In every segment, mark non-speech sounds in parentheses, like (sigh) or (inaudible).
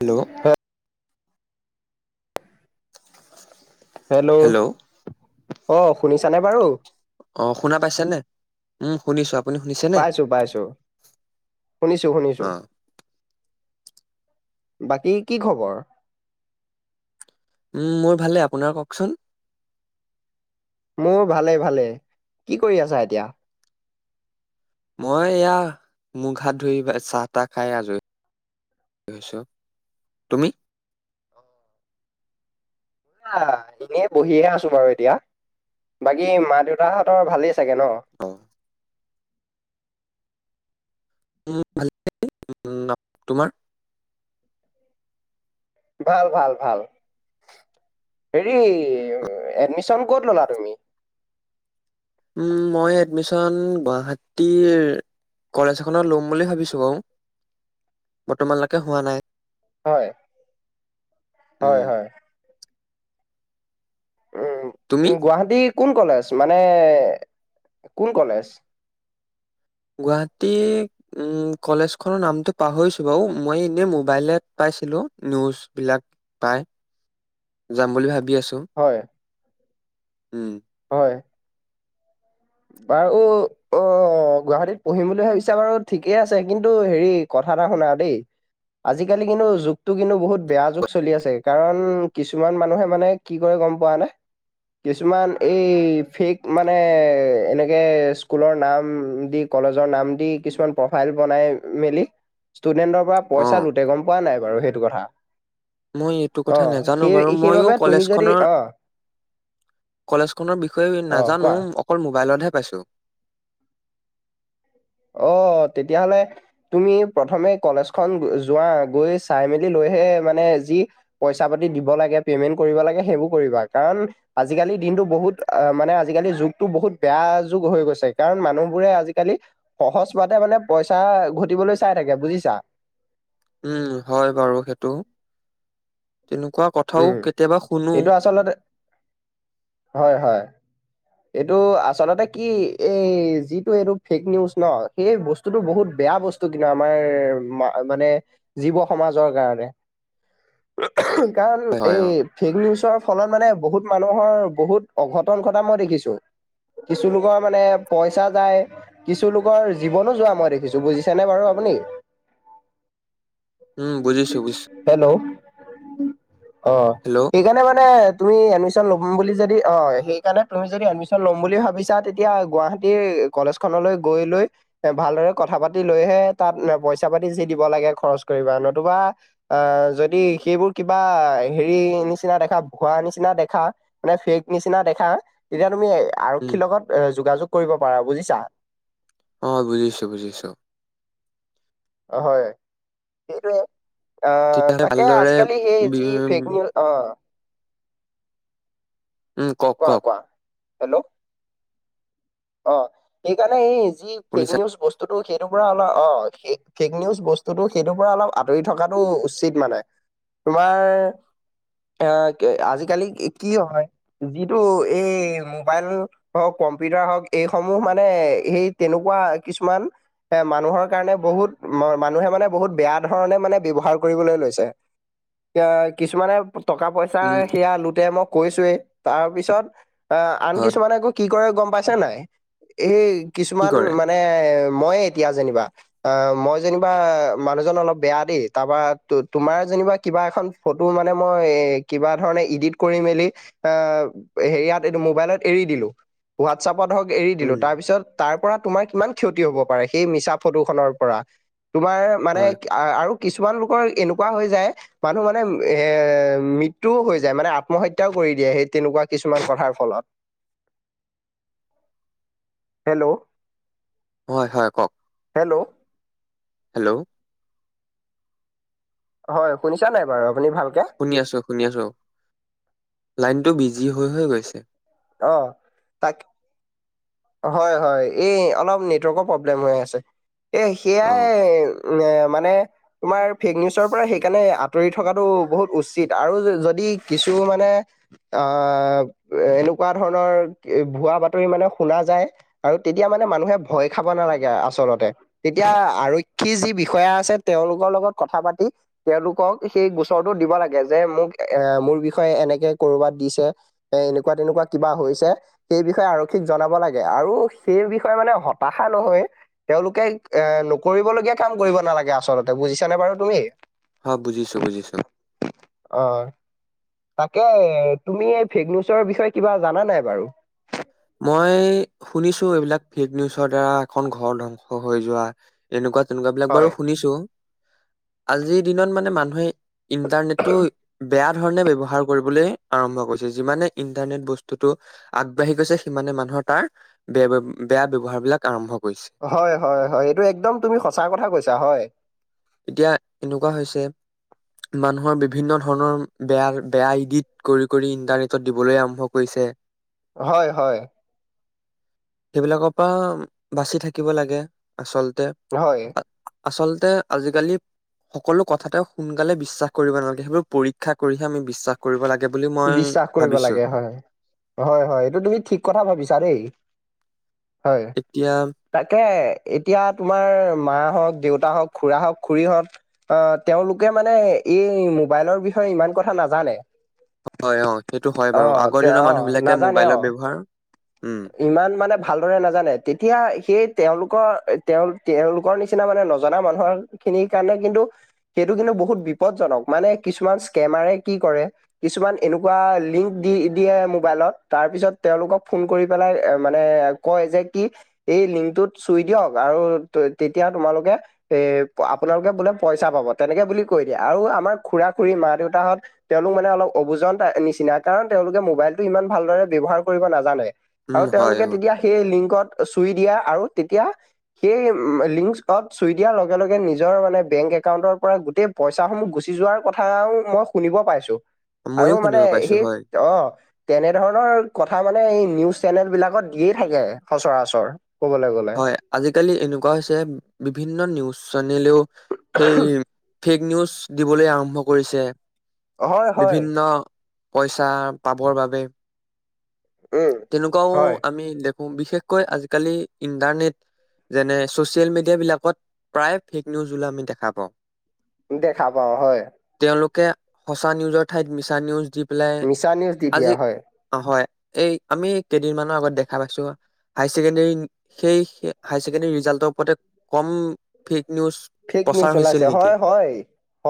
Hello hello অ', শুনিছানে বাৰু অ', শুনা পাইছে নে উম শুনিছো আপ পাইছো, পাইছো শুনিছো, শুনিছো অ বাকী কি খবৰ উম, মোৰ ভালে আপোনাৰ কওকচোন মোৰ ভালেই ভালে। কি কৰি আছা এতিয়া? মই এইয়া মুখ হাত ধুই চাহ তাহ খায় আজৰি। (inaudible) তুমি? হা এনেই বহিহে আছো বাৰু এতিয়া, বাকী মা দেউতাহঁতৰ ভালেই চাগে ন? অ উ ভালেই (unintelligible) তোমাৰ? ভাল ভাল ভাল। হেৰি এডমিশন কত ললা তুমি? উম মই এডমিশন গুৱাহাটীৰ কলেজ এখনত লম বুলি ভাবিছো বাৰু, বৰ্তমানলেকে হোৱা নাই। হয় হয় উম হয়। উম তুমি উ গুৱাহাটীৰ কোন কলেজ? মানে কোন কলেজ? গুৱাহাটী উম, কলেজখনৰ নামটো পাহৰিছোঁ বাৰু মই এনে মোবাইলত পাই ছিলো নিউজ বিলাক পাই যাম বুলি ভাব বি আছো হয় উম, হয়। বাৰু অ', অ', গুৱাহাটীত পঢ়িম বুলি ভাবিছা বাৰু ঠিকে আছে কিন্তু হেৰি কথা (unintelligible) দেই আজিকালি কিন্তু যুগটো কিন্তু বহুত বেয়া যুগ চলি আছে কাৰণ কিছুমান মানুহে মানে কি কৰে গম পোৱানে কিছুমান এই ফেক মানে এনেকে স্কুলৰ নাম দি কলেজৰ নাম দি কিছুমান প্ৰফাইল বনাই মেলি ষ্টুডেণ্টৰ পৰা অ পইচা লুটে গম পোৱা নাই বাৰু সেইটো কথা? মই এইটো অ কথা নেজানো সেই বাৰু মইয়ো সেইবাবে তুমি যদি কলেজখনৰ অ কলেজ খনৰ বিষয়ে অ নাজানো কোৱা। অকল মোবাইলতহে পাইছোঁ। অ, তেতিয়াহলে তুমি প্ৰথমে কলেজখন যোৱা গৈ চাই মেলি লৈ হে মানে যি পইছা পাতি দিব লাগে পেমেণ্ট কৰিব লাগে সেইবোৰ কৰিবা কাৰণ আজিকালি কিন্তু বহুত মানে আজিকালি যুগটো বহুত বেয়া যুগ হৈ গৈছে কাৰণ মানুহবোৰে আজিকালি সহজ পোৱাতে মানে পইচা ঘটিবলৈ চাই থাকে বুজিছা? উম, হয় বাৰু সেইটো। তেনেকুৱা কথাও উম, কেতিয়াবা শুনো এইটো আচলতে হয়-হয়। এইটো আচলতে কি এই যিটো এইটো ফেক নিউজ ন' সেই বস্তুটো বহুত বেয়া বস্তু কিন্তু আমাৰ মানে জীৱ সমাজৰ কাৰণে। কাৰণ হয় হয় অ এই ফেক নিউচৰ ফলত মানে বহুত মানুহৰ বহুত অঘটন ঘটা মই দেখিছো কিছুলোকৰ মানে পইচা যায়, কিছুলোকৰ জীৱনো যোৱা মই দেখিছোঁ বুজিছেনে বাৰু আপুনি? উম, বুজিছোঁ, বুজি হেল্ল'। অ', হেল্ল' সেইকাৰণে মানে তুমি এডমিশ্যন ল'ম বুলি যদি অ' সেইকাৰণে তুমি যদি এডমিশ্যন ল'ম বুলি ভাবিছা তেতিয়া গুৱাহাটীৰ কলেজখনলৈ গৈ লৈ এ ভালদৰে কথা পাতি লৈহে তাত পইচা পাতি যি দিব লাগে খৰ ইউজ কৰিবা নতুবা অ' সেইবোৰ বা হেৰি নিচিনা দেখা ভুৱা নিচিনা দেখা মানে ফেক নিচিনা দেখা তেতিয়া তুমি উম আৰক্ষীৰ লগত এ' যোগাযোগ কৰিব পাৰা বুজিছা। অ', বুজিছোঁ, বুজিছোঁ। অ', হয়, সেইটোৱে। আ, তেতিয়াহ'লে তাকে, ভালদৰে আজিকালি সেই বি যি ফেক নিউজ অ'। উম, কওঁক, কোৱা কওঁক। কোৱা হেল্ল' অ' সেইকাৰণে এই যি ফেক শুনিছা নিউজ বস্তু সেইটোৰ পৰা অলপ অ' ফেক নিউজ বস্তুটো সেইটোৰ পৰা অলপ আঁতৰি থকাটো উচিত মানে। তোমাৰ আহ আজিকালি কি হয়। যিটো এই মোবাইল হওঁক কম্পিউটাৰ হওঁক এইসমূহ মানে এই তেনেকুৱা কিছুমান এ মানুহৰ কাৰণে বহুত মানুহে মানে বহুত বেয়া ধৰণে মানে ব্যৱহাৰ কৰিব লৈছে এতিয়া কিছুমানে টকা পইচা উম সেয়া লোতে মই কৈছোৱে তাৰ পিছত অ', আন হয় কিছুমানে আকৌ কি কৰে গম পাইছে নাই। এই কি কিছুমান কৰে মানে মইে এতিয়া যেনিবা অ' মই যেনিবা মানুহজন অলপ বেয়া দেই তাৰপা তোমাৰ যেনিবা কিবা এখন ফটো মানে মই এ কিবা ধৰণে ইডিট কৰি মেলি এ হেৰিয়াত এই মোবাইলত এৰি দিলো। হোৱাটছআপ ধৰক এৰি দিলো উম তাৰ পিছত তাৰ পৰা তোমাৰ কিমান ক্ষতি হ'ব পাৰে সেই মিছা ফটোখনৰ পৰা। তোমাৰ মানে হয় আৰু কিছুমান লোকৰ এনেকুৱা হৈ যায় মানুহ মানে এ মৃত্যুও হৈ যায় মানে আত্মহত্যাও কৰি দিয়ে সেই তেনেকুৱা কিছুমান কথাৰ ফলত। হেল্ল'। হয়, হয়, কওঁক। হেল্ল'। হেল্ল'। হয়, শুনিছা নাই বাৰু? আপুনি ভালকে? শুনি আছো শুনি আছো। লাইনতটো বিজি হৈ হৈ গৈছে। অ', তাক হয়, হয়, এই অলপ নেটৱৰ্কৰ প্ৰব্লেম হৈ আছে। এ অ সেয়াই এ মানে তোমাৰ ফেক নিউজৰ পৰা সেইকাৰণে আঁতৰি থকাাতটো বহুত উচিত আৰু যদি কিছু মানে অ' এনেকুৱা ধৰণৰ ভুৱা বাতৰি মানে শুনা যায় আৰু তেতিয়া মানে মানুহে ভয় খাব নালাগে আচলতে। তেতিয়া আৰক্ষী যি বিষয়া আছে তেওঁলোকৰ লগত কথা পাতি তেওঁলোকক সেই গোচৰটো দিব লাগে। যে মোক এ মোৰ বিষয়ে এনেকে কৰবাত দিছে এ এনেকুৱা তেনেকুৱা কিবা হৈছে। সেই বিষয়ে আৰক্ষী জনাব লাগে আৰু সেই বিষয়ে মানে হতাশা নহয়। তেওঁলোকে এ নকৰিবলগীয়া কাম কৰিব নালাগে আচলতে বুজিছ নে বাৰু তুমি? হয়, বুজিছো বুজিছো। অ'। তাকে তুমি এই ফেক নিউজৰ বিষয়ে কিবা জানা নাই বাৰু? মই শুনিছো এইবিলাক ফেক নিউজৰ দ্বাৰা এখন ঘৰ ধ্বংস হৈ যোৱা এনেকুৱা তেনেকুৱাবিলাক হয়। বাৰু শুনিছো। (inaudible) আজিৰ দিনত মানে মানুহে ইণ্টাৰনেটটো বেয়া ধৰণে ব্যৱহাৰ কৰিবলৈ আৰম্ভ কৰি যিমানে ইন্টাৰনেট বস্তুতটো আগবাঢ়ি গৈছে সিমানে মানুহৰ তাৰ বেয়া-বেয়া ব্যৱহাৰবিলাক আৰম্ভ কৰিছে। হয়, হয়, হয় এইটো একদম তুমি সচা কথা কৈছা হয়। এতিয়া এনেকুৱা হৈছে মানুহৰ বিভিন্ন ধৰণৰ বেয়া বেয়া ইডিত কৰি কৰি ইন্টাৰনেটত দিবলৈ আৰম্ভ কৰি (inaudible) হয় হয়। সেইবিলাকৰ পৰা বাচি থাকিব লাগে, আচল হয় আচলতে আজিকালি সকলো কথাতে সোনকালে বিশ্বাস কৰিব নালাগে। সেইবোৰ পৰীক্ষা কৰিহে আমি বিশ্বাস কৰিব লাগে। বুলি মই বিশ্বাস কৰিব ভাবিছো লাগে হয়। হয় হয় এইটো তুমি ঠিক কথা ভাবিছা দেই। হয়, এতিয়া তাকে এতিয়া তোমাৰ মা হওঁক দেউতা হওঁক খুৰা হওক খড়ীহত আহ তেওঁলোকে মানে এই ম'বাইলৰ বিষয়ে ইমান কথা নাজানে। হয় অ', সেইটো হয় বাৰু, অ' তে আগৰ দিনৰ অ' মানুহ বিলাকে নাজানে মোবাইলৰ অ'। ব্যৱহাৰ উম ইমান মানে ভালদৰে নাজানে, তেতিয়া সেই তেওঁলোক তেওঁ-তেওঁলোকৰ নিচিনা মানে নজনা মানুহৰ খিনিৰ কাৰণে কিন্তু সেইটো কিন্তু বহুত বিপদজনক, মানে কিছুমান স্কেমাৰে কি কৰে কিছুমান এনেকুৱা লিংক দি দিয়ে মোবাইলত, তাৰ পিছত তেওঁলোকক ফোন কৰি পেলাই মানে কয় যে কি এই লিংকত চুই দিয়ক আৰু তেতিয়া তোমালোকে এ আপোনালোকে বোলে পইচা পাব, তেনেকে বুলি কৈ দিয়ে আৰু আমাৰ খুৰা-খুৰী, মা-দেউতাহঁত তেওঁলোক মানে অলপ অবুজন তাই-নিচিনা, কাৰণ তেওঁলোকে মোবাইলতটো ইমান ভালদৰে ব্যৱহাৰ কৰিব নাজানে। উম আৰু হয় তেওঁলোকে অ তেতিয়া সেই লিংকত চুই দিয়ে আৰু তেতিয়া সেই লিংকতে চুই দিয়া লগে লগে নিজৰ মানে বেংক একাউন্টৰ পৰা গোটেই পইচাসমূহ গুচি যোৱাৰ কথাও মই শুনিব পাইছোঁ। আৰু ময়ো মানে শুনিব পাইছো সেই, হয় অ', তেনেধৰণৰ কথা কথা মানে এই নিউজ চেনেল বিলাকত দিয়েই থাকে সচৰাচৰ। কবলৈ গ'লে হয়, আজিকালি এনেকুৱা হৈছে বিভিন্ন নিউজ চেনেলেও সেই ফেক নিউজ দিবলৈ আৰম্ভ কৰিছে। হয় হয়। বিভিন্ন পইচা পাবৰ বাবে, উম তেনেকুৱাও হয় আমি দেখ বিশেষকৈ আজিকালি ইণ্টাৰনেট যেনে ছচিয়েল মিডিয়া বিলাকত প্ৰায় ফেক নিউজ ওলোৱা আমি দেখা পাওঁ দেখা পাওঁ হয় তেওঁলোকে সঁচা নিউজৰ ঠাইত মিছা নিউজ দি পেলাই মিছা নিউজ দি আজি দিয়া হয় হয় এই আমি কেইদিনমানৰ আগত দেখা পাইছো হাই ছেকেণ্ডৰী সেই হায়াৰ ছেকেণ্ডাৰী ৰিজাল্টৰ ওপৰতে কম ফেক নিউজ ফেক নিউজ প্ৰচাৰ হৈছিল ওলাইছে নেকি হয় হয়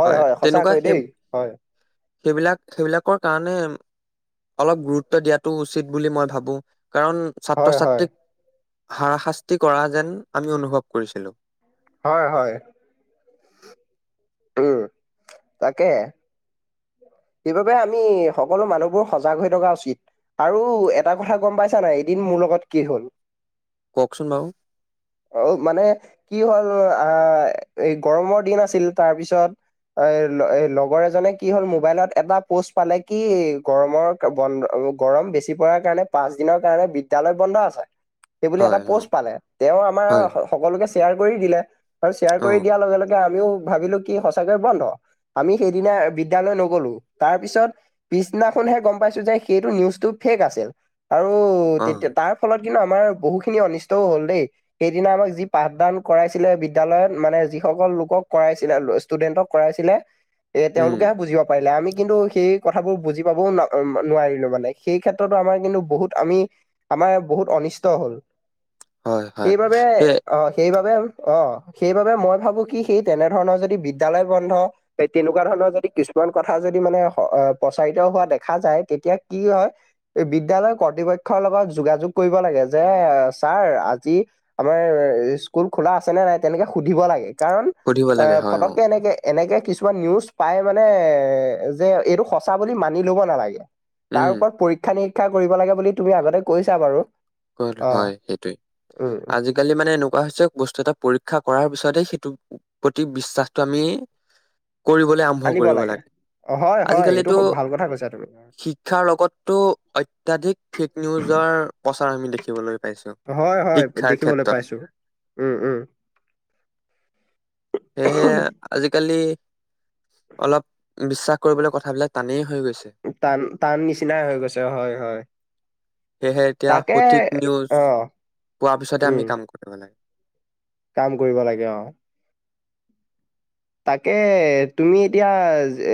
হয় তেনেকুৱা সঁচাকৈ সেই দেই হয় সেইবিলাক সেইবিলাকৰ কাৰণে অলপ গুৰুত্ব দিয়াটো উচিত বুলি মই ভাবোঁ কাৰণ ছাত্ৰ হয় হয় ছাত্ৰীক হাৰাশাস্তি কৰা যেন আমি অনুভৱ কৰিছিলোঁ হয় হয় উম তাকে সেইবাবে আমি সকলো মানুহবোৰ সজাগ হৈ থকা উচিত আৰু এটা কথা গম পাইছা নাই এদিন মো মোৰ লগত কি হ'ল কওকচোন বাৰু? অ মানে কি কি হ'ল আহ এই গৰমৰ দিন আছিল তাৰ পিছত এই ল এই লগৰ এজনে কি হল মোবাইলত এটা পোষ্ট পালে কি গৰমৰ বন্ গৰম বেছি পৰাৰ কাৰণে পাঁচ দিনৰ কাৰণে বিদ্যালয় বন্ধ আছে সেই বুলি হয়, এটা অ, প'ষ্ট পালে তেওঁ আমাৰ হয়, স সকলোকে শ্বেয়াৰ কৰি দিলে আৰু শ্বেয়াৰ অ, কৰি দিয়াৰ লগে লগে আমিও ভাবিলো কি সঁচাকৈয়ে বন্ধ আমি সেইদিনা বিদ্যালয় নগলো তাৰ পিছত পিছদিনাখনহে গম পাইছো যে সেইটো নিউজটো ফেক আছিল আৰু অ, তেতিয়া তাৰ ফলত কিন্তু আমাৰ বহু খিনি অনিষ্টও হ'ল দেই সেইদিনা আমাক যি পাঠদান কৰাইছিলে বিদ্যালয়ত মানে যি সকল লোকক কৰাইছিলে ষ্টুডেন্টক কৰাইছিলে এ উম, তেওঁলোকেহে বুজিব পাৰিলে আমি কিন্তু সেই কথাবোৰ বুজি পাবও না-নোৱাৰিলোঁ মানে সেই ক্ষেত্ৰতো আমাৰ কিন্তু বহুত আমি আ আমাৰ বহুত অনিষ্ট হ'ল, হয়, হয়। সেইবাবে সেই অ', সেইবাবে অ', সেইবাবে মই ভাবোঁ কি সেই তেনেধৰণৰ যদি বিদ্যালয় বন্ধ, তেনেকুৱা ধৰণৰ যদি কিছুমান কথা যদি মানে স-অ', পচাই (unintelligible) হোৱা দেখা যায়, তেতিয়া কি হয়, বিদ্যালয় কৰ্তৃপক্ষৰ লগত যোগাযোগ কৰিব লাগে যে এ, ছাৰ আজি আমাৰ ইস্কুল খোলা আছেনে নাই? তেনেকে সুধিব লাগে, কাৰণ অ সুধিব লাগে হয়, অ, ফটকে এনেকে এনেকে কিছুমান নিউজ পাই মানে এ যে এইটো সঁচা বুলি মানি ল'ব নালাগে। তাৰ উম, ওপৰত পৰীক্ষা- নিৰীক্ষা কৰিব লাগে বুলি তুমি আগতে কৈছা বাৰু। ক' অ হয় সেইটোয়ে, উম আজিকালি মানে এনেকুৱা হৈছে বস্তু এটা পৰীক্ষা কৰাৰ পিছতেই সে তো প্ৰতি বিশ্বাসটো আমি কৰিবলৈ আৰম্ভ কৰিব লাগে, অ, হয় হয় এইটো আজিকালিতো খুব ভাল কথা কৈছা তুমি। শিক্ষাৰ লগটো অত্যাধিক ফেক নিউজৰ প্ৰচাৰ আমি দেখিবলৈ পাইছো। হয়, হয়, শিক্ষাৰ দেখিবলৈ ক্ষেত্ৰত পাইছোঁ, উম, উম। সেয়েহে আজিকালি অলপ বিশ্বাস কৰিবলৈ কথাবিলাক টানেই হৈ গৈছে। টান, টান, নিচিনাই হৈ গৈছে হয়, হয়। সেয়েহে এতিয়া তাকে সঠিক নিউজ অ পোৱা পিছতে উম আমি কাম কৰিব লাগে। কাম কৰিব লাগে অ'। তাকে, তুমি এতিয়া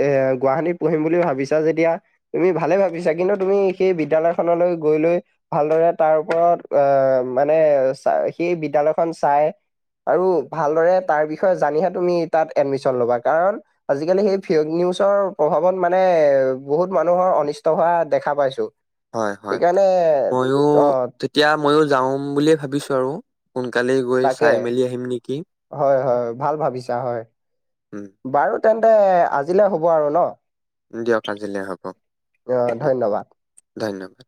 এ, গুৱাহাটীত পঢ়িম বুলি ভাবিছা যেতিয়া তুমি ভা ভালে ভাবিছা, কিন্তু তুমি সেই বিদ্যালয়খনলৈ গৈ লৈ ভালদৰে তাৰ ওপৰত অ', মানে অ, চাই সি বিদ্যালয়খন চাই আৰু ভালদৰে তাৰ বিষয়ে জানিহে তুমি তাত এডমিশ্যন ল'বা, কাৰণ আজিকালি সেই ফেগ নিউজৰ প্ৰভাৱত মানে বহুত মানুহৰ অনিষ্ট হোৱা দেখা পাইছোঁ। হয়, হয় ময়ো অ তেতিয়া, ময়ো যাওঁ বুলিয়ে ভাবিছো আৰু। সোনকালেই গৈ তাকে, চাই মেলি আহিম নেকি হয়, হয় ভাল ভাবিছা হয়। উম বাৰু, তেন্তে আজিলৈ হ'ব আৰু ন? দিয়ক আজিলৈ হ'ব, অ উম, ধন্যবাদ ধন্যবাদ।